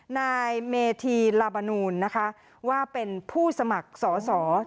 นายเมธีลาบานูนนะคะว่าเป็นผู้สมัครสอสอ